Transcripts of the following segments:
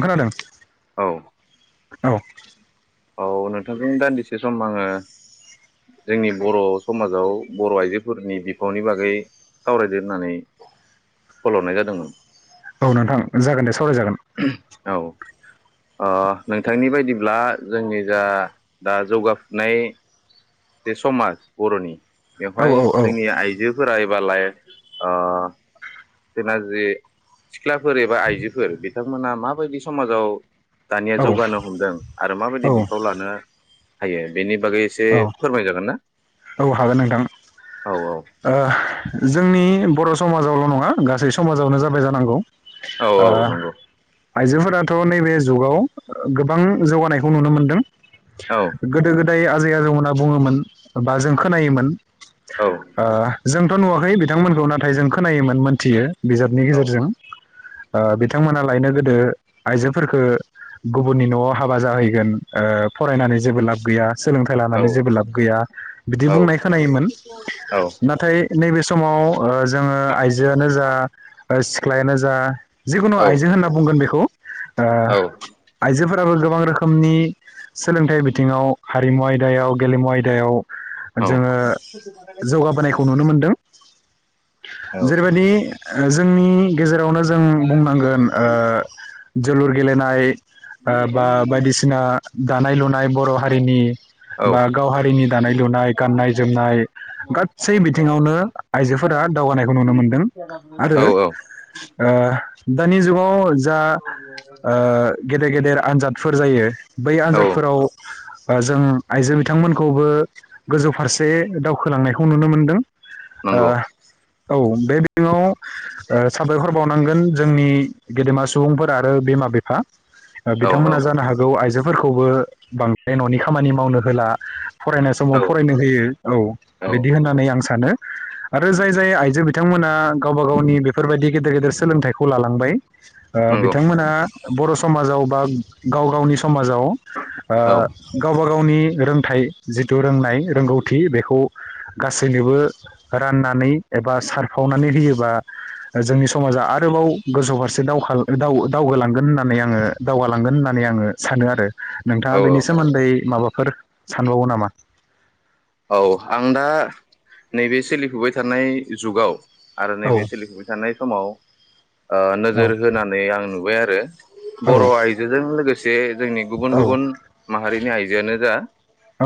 खोनादों। औ। औ। औ नोंथांजों दान्दिसे सम आङो जोंनि बर' समाजाव बर' आइजोफोरनि बिफावनि बागै सावरायदो होननानै खल हरनाय जादोंमोन। औ नोंथां जागोन दे सावराय जागोन। औ ओ नोंथांनि बायदिब्ला जोंनि जा दा जौगाफुनाय जे समाज बर'नि औ बेवहाय औ जोंनि आइजोफोरा लाय ओ जोंना जि सिख्लाफोर एबा आइजोफोर बिथांमोना माबायदि समाजाव दानिया औ जौगानो हमदों आरो माबायदि औ बिफाव लानो हायो बेनि बागै एसे औ फोरमायजागोन ना औ हागोन नोंथां औ- औ ओ जोंनि बर' समाजावल' नङा गासै समाजावनो जाबाय जानांगौ। औ ओ औ नंगौ। आइजोफोराथ' नैबे जुगाव गोबां जौगानायखौ नुनो मोनदों। औ गोदो गोद आजै आजौमोनहा बुङोमोन बा जों खोनायोमोन औ ओ जोंथ' नुवाखै बिथांमोनखौ नाथाय जों खोनायोमोन मोनथियो। बिजाबनि गेजेरजों ओ बिथांमोना लायनो गोदो आइजोफोरखौ गुबुननि न'आव हाबा जाहैगोन ओ फरायनानै जेबो लाब गैया सोलोंथाइ लानानै जेबो लाब गैया बिदि बुंनाय खोनायोमोन। नाथाय नैबे समाव ओ जोङो आइजोआनो जा ओ सिख्ला सिख्लायानो जा जिखुनु आइजो होनना बुंगोन बेखौ। ओ आइजोफोर गोबां रोखोमनि सोलोंथाइ बिथिङाव हारिमु आयदायाव गेलेमु आयदायाव जोङो जौगा होनायखौ नुनो मोन्दों। औ जेरैबायदि ओ जोंनि गेजे रावनो जों बुंनांगोन ओ जोलुर गेलेनाय बा बायदिसिना दानाय लुनाय बर' हारिनि बा गाव हारिनि दानाय लुनाय गाननाय जोमनाय गा सै बिथिङावनो आइजोफोरा दावगानायखौ नुनो मोनदों औ आरो दानि जुगाव जा ओ गेद गेदेर आनजादफोर जायो बै औ आनजादफोराव बा जों आइजो बिथांमोनखौबो गोजौ फारसे दावखोलांनायख खौ नुनो मोनदों नंगौ ओ औ बे बिथिङाव ओ साबायखर बावनांगोन जोंनि गेदेमा सुबुंफोर आरो बिमा बिफा औ बिथांमोना जानो हागौ आइजो फोरखौबो बांद्राय न'नि खामानि मावनो होला फरायनाय औ समाव फरायनो होयो औ बिदि होननानै आं स सानो आरो जाय जाय आइजो बि थांमोना गावबा गावनि बेफोरबायदि गेदेर गेदेर स सोलोंथाइखौ लालांबाय ओ नंगौ बिथांमोना बर' स समाजाव बा गाव गावनि स समाजाव औ ओ गावबा गावनि रोंथाइ जिथु रोंनाय रोंगौथि बेखौ गासैनोबो राननानै एबा सारफावनानै होयोबा जोंनि समाजा आरोबाव गोजौ फारसे दावखा गावगालांगोन होननानै आङो दावगालांगोन होननानै आङो सानो आरो औ नोंथाङा बेनि सोमोन्दै माबा फोर सानबावो नामा औ आं दा नैबे सोलिफुबाय थानाय जुगाव आरो औ नैबे सोलिफुबाय थानाय समाव ओ औ नोजोर होनानै आं नुबाय आ रो बर' आइजोजों लोगोसे जोंनि गुबुन औ गुबुन माहारिनि आइजोआनो जा औ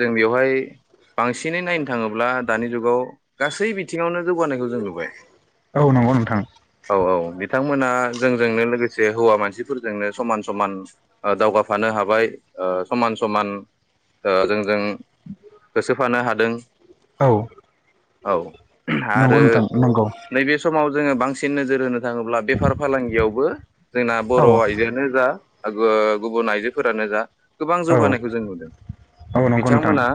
जों बेयाव बहाय बांसिनै नायनो थाङोब्ला दानि जुगाव गासै बिथिङावनो जौगानायखौ जों नुबाय औ नंगौ नोंथां औ औ बिथांमोना जोंजोंनो लोगोसे हौवा मानसिफोरजोंनो समान समान ओ दावगाफानो हाबाय ओ समान समान जोंजों होसोफानो हादों औ औ नंगौ आरो नोंथां नंगौ नैबे समाव जोङो बांसि नोजोर होनो थाङोब्ला बेफार फालांगियावबो जोंना औ बर' आइजोआनो जा ओ गुबुन आइजोफोरानो जा गोबां औ जौगानायखौ जों नुदों औ नंगौ नोंथां बिथांमोना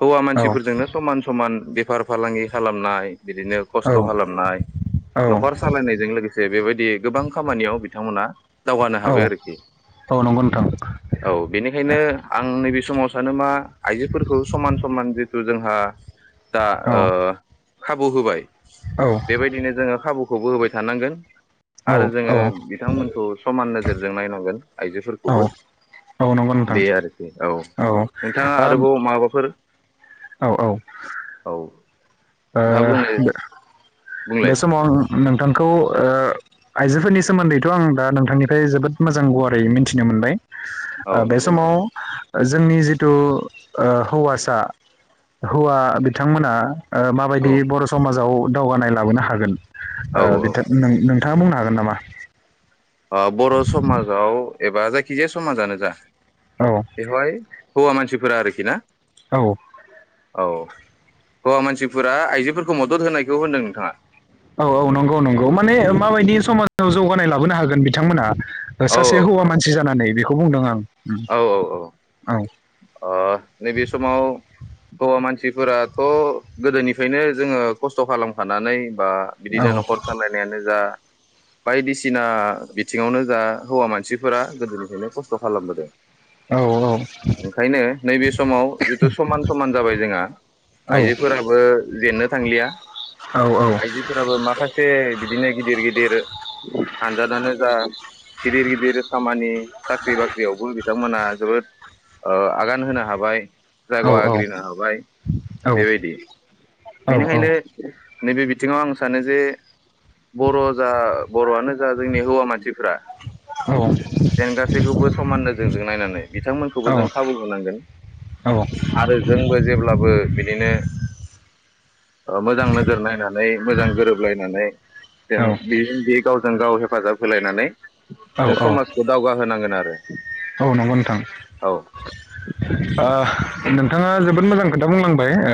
हौवा औ मानसिफोरजोंनो समान समान बेफार फालांगि खालामनाय बिदिनो खस्थ' औ खालामनाय औ न'खर सालायनायजों लोगोसे बेबायदि गोबां खामानियाव बिथांमोना दावगानो औ हाबाय आरोखि औ नंगौ नोंथां औ बेनिखायनो आं नैबे समाव सानो मा आइजोफोर समान समान जिथु जोंहा दा औ ओ खाबु होबाय औ बेबायदिनो जोङो खाबु खौबो होबाय थानांगोन आरो जोङो बिथांमोनखौ समान नोजोरजों नायनांगोन औ आइजोफोरखौबो औ नंगौ बे नोंथां आरोखि औ नोंथाङा आरोबाव माबाफोर औ औ औ नोंथाङा बुंनो ओ बे बुंलाय समाव आं नोंथांखौ ओ आइजोफोरनि सोमोन्दैथ' आं दा नोंथांनिफ्राय जोबोद मोजां गुवारै मिन्थिनो मोनबाय औ आ बे नंगौ नोंथां समाव जोंनि जिथु हौवासा हौवा बिथांमोना ओ माबायदि औ बर' समाजाव दावगानाय लाबोनो हागोन ओ औ औ बिथां नो-नों नोंथाङा बुंनो हागोन नामा ओ बर' समाजाव एबा जायखिजाया समाजानो जा औ बेवहाय हौवा मानसिफोरा आरोखि ना औ औ हौवा मानसिफोरा आइजोफोरखौ मदद होनायखौ होनदों नोंथांङा औ औ नंगौ नंगौ माने माबादि समा ओ जौगानाय लाबोनो हागोन बिथांमोना सासे हौवा मानसि जानानै बे खौ बुंदों आं औ-औ-औ औ ओ नैबे समाव हौवा मानसिफोराथ गोदोनिफ्रायनो जोङो खस्थ खालामखानानै बा औ बिदिनो नखर सालायनायानो जा बायदिसिना बिथिंङावनो जा हौवा मानसिफोरा गोदोनिफ्रायनो खस्थ खालामबोदों औ ओंखायनो नैबे समाव जिथु समान-समान जाबाय जोंहा औ आइजोफोराबो जेननो थांलिया औ आइजोफोराबो माखासे बिदिनो गिदिर-गिदिर आनजादानो जा गिदिर-गिदिर खामानि साख्रि बाख्रियावबो बिथांमोना जोबोद ओ आगान होनो हाबाय जायग आग्रिनो औ हाबाय बेबादि औ औ औ बेनिखायनो नैबे बिथिंङाव आं सानो जे बर जा बरआनो जा जोंनि हौवा मानसिफ्रा औ जेन गासैखौबो समाननो जोंजों नायनानै बिथांमोनखौबो जों खाबु होनांगोन औ आरो जोंबो जेब्लाबो बिदिनो ओ मोजां नोजोर नायनानै मोजां गोरोबलायनानै जेन औ बेयो बे गाव जों गाव हेफाजाब होलायनानै जों औ समाजखौ दावगाहोनांगोन आरो [inaudible] औ नंगौ नोंथां औ नोंथांङा जोबोद मोजां खोथा बुंलांबाय ओ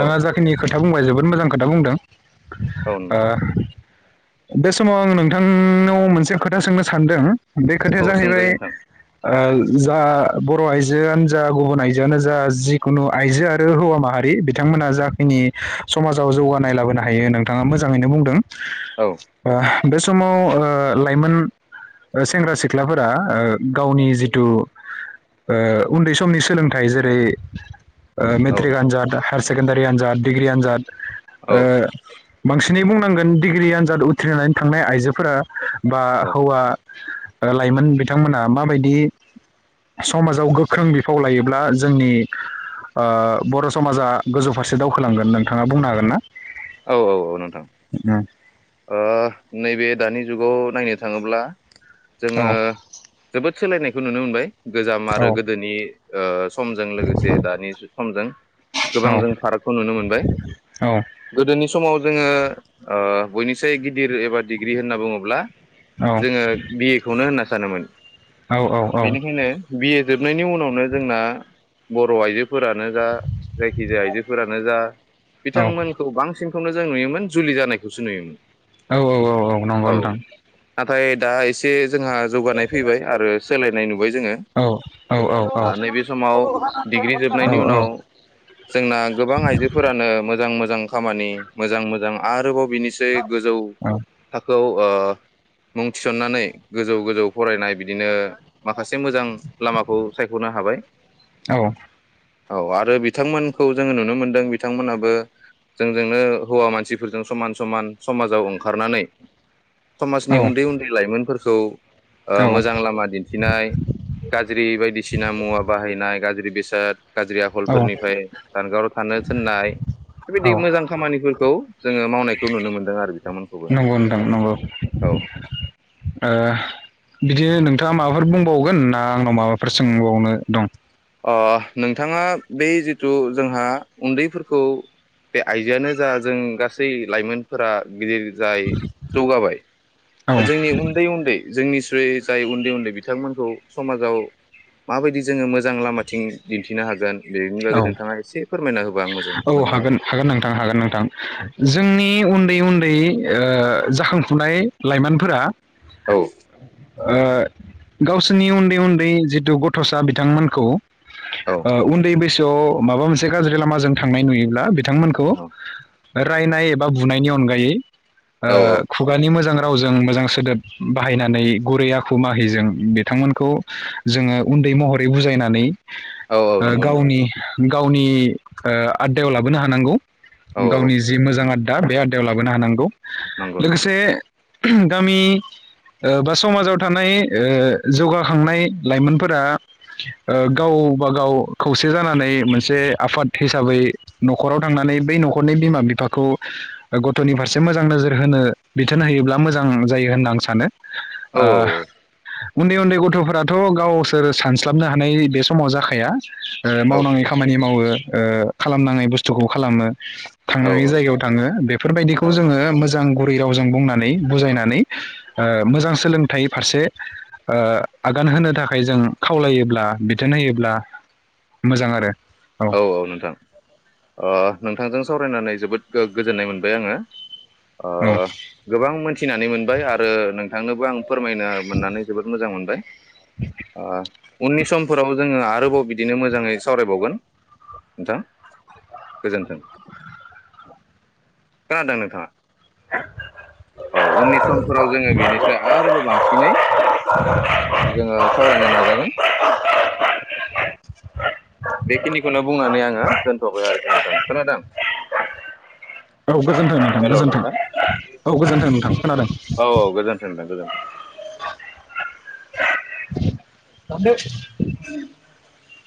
औ जाखिनि खो था बुंबाय जोबोद मोजां खोथा बुंदों। औ ओ नोंथां बे समाव आं नोंथांनाव मोनसे खोथा सोंनो सानदों? बे खोथाया औ जाहैबाय सोंजायो नोंथां ओ जा बर' आइजोआनो जा गुबुन आइजोआनो जा जिखुनु आइजो आरो हौवा माहारि बिथांमोना जाखिनि समाजाव जौगानाय लाबोनो हायो नोंथांङा मोजांङैनो बुंदों। औ ओ बे समाव ओ लाइमोन ओ सेंग्रा सिख्लाफोरा ओ गावनि जिथु ओ उन्दै समनि सोलोंथाइ जेरै ओ औ मेथ्रिक आजाद हायारसे सेकेनडारि आनजाद डिग्रि आनजाद ओ बांसिनै बुंनांगोन डिग्रि आनजाद उथ्रिनानै थांनाय आइजोफोरा बा औ हौवा लाइमोन बिथांमोना माबायदि समाजाव गोख्रों बिफाव लायोब्ला जोंनि ओ बर' समाजा गोजौ फारसे दावखोलांगोन नोंथाङा बुंनो हागोन ना? औ औ औ नोंथां ओ नैबे दानि जुगाव नायनो थाङोब्ला औ जोङो जोबोद सोलायनायखौ नुनो मोनबाय गोजाम औ आरो गोदोनि ओ समजों लोगोसे दानि समजों गोबां औ जों फाराग नुनो मोनबाय औ गोदोनि स समाव जोङो ओ बयनिसाय गिदिर एबा डिग्रि होनना बुङोब्ला औ जोङो बि ए खौनो होनना सानोमोन औ बेनिखायनो बि ए जोबनायनि उनावनो जोंना बर' आइजोफोरानो जा जायखिजाया आइजो फो फोरानो जा बिथांमोनखौ बांसिन खौनो जों नुयोमोन जुलि जानायखौसो नुयोमोन। औ औ औ औ नंगौ नोंथां। ओमफ्राय दा एसे जोंहा जौगानाय फैबाय आरो सोलायनाय नुबाय जोङो औ औ औ औ ओ नैबे समाव डिग्रि जोबनायनि उनाव जोंना गोबां आइजोफोरानो मोजां मोजां खामानि मोजां मोजां आरोबाव बिनिसै गोजौ थाखोआव ओ मुं थिसननानै गोजौ गोजौ फरायनाय बिदिनो मा माखासे मोजां लामाखौ सायख'नो हाबाय। औ आरो बिथांमोनखौ जोङो नुनो मोनदों बिथांमोनाबो जोंजोंनो हौवा मानसिफोरजों समान समान समाजाव ओंखारनानै औ समाजनि उन्दै उन्दै लाइमोनफोरखौ ओ औ मोजां लामा दिन्थिनाय गाज्रि बायदिसिना मुवा बाहायनाय गाज्रि बेसा [unintelligible] गाज्रि औ आखलफोरनिफ्राय जानगाराव थानो थोननाय औ बेबायदि मोजां खामानिफोरखौ जोङो मावनायखौ नुनो मोनदों आरो बिथांमोनखौबो नंगौ नोंथां नंगौ औ। ओ बिदिनो नोंथाङा माबाफोर बुंबावगोन ना आंनाव माबाफोर सोंबावनो दं? ओ नोंथाङा बे जिथु जोंहा उन्दैफोरखौ बे आइजोआानो जा जों गासै लाइमोनफोरा गिदिर जाय जौगाबाय औ जोंनि उन्दै उन्दै जोंनि बै जाय उन्दै उन्दै बिथांमोनखौ समाजाव माबायदि जोङो मोजां मोजां लामाथिं दिन्थिनो हागोन औ बागै नोंथाङा एसे फोरमायना होबा आं मोजां औ मोनगोन आरो हागोन हागोन नोंथां हागोन नोंथां जोंनि उन उन्दै उन्दै ओ जाखांफुनाय लाइमोनफोरा औ ओ गावसोरनि उन्दै उन्दै जिथु गथसा बिथांमोनखौ ओ औ उन्दै बै द माबा मोनसे गाज्रि लामाजों थांनाय नुयोब्ला बि बिथांमोनखौ औ रायनाय एबा बुनायनि अनगायै ओ औ खुगानि मोजां रावजों मोजां सोदोब बाहायनानै गुरै आखु माहिजों बिथांमोनखौ जोङो उन्दै महरै बुजायनानै औ औ ओ नंगौ नोंथां। गावनि गावनि ओ आदायाव लाबोनो हानांगौ। औ औ गावनि जि मोजां आददा बे आडायाव लाबोनो हानां नंगौ नोंथां लोगोसे गामि ओ बा समाजाव ओ थानाय जौगाखांनाय लाइमोनफोरा ओ गावबा गाव खौसे जानानै मोनसे आफाद हिसाबै न'खराव थांनानै बै न'खरनि बिमा बिफाखौ गथनि फारसे मोजां नोजोर होनो बिथोन होयोब्ला मोजां जायो होनना आं सानो। औ आ औ उन्दै उन्दै गथ'फोराथ गावसोर सानस्लाबनो हानाय बे समाव जाखाया। ओ औ मावनाङै खामानि मावो ओ खालामनाङै बुस्थुखौ खालामो। औ थांनानै जायगायाव थाङो बेफोरबायदिखौ औ जोङो मोजां गथ बैयावजों बुंनानै बुजायनानै मोजां ओ सोलोंथाइ फारसे आगान होनो थाखाय जों खावलायोब्ला बिथोन होयोब्ला मोजां आरो औ औ नोंथां ओ नोंथांजों सावरायनानै जोबोद गोजोननाय मोनबाय आङो ओ औ गोबां मोनथिनानै मोनबाय आरो नों थांनोबो आं फोरमायनो मोननानै जोबोद मोजां मोनबाय उननि समफोराव जोङो आरोबाव बिदिनो मोजाङै सावरायबावगोन। नोंथां गोजोन्थों खोनादों नोंथांङा औ उननि समफोराव जोङो बेनिफ्राय आरोबाव बांसिनै जोङो सावरायनो नाजागोन। बेखिनिखौनो बुंनानै आङो दोनथ'बाय आरोखि नोंथां खोनादों? औ गोजोन्थों नोंथां गोजोन्थों औ गोजोन्थों नोंथां खोनादों। औ औ गोजोन्थों नोंथां गोजोन्थों [inaudible] [unintelligible]